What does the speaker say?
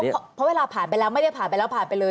เพราะเวลาผ่านไปแล้วไม่ได้ผ่านไปแล้วผ่านไปเลย